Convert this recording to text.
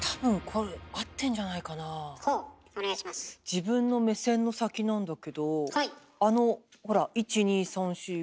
自分の目線の先なんだけどあのほら「１２３４５６７８９０」。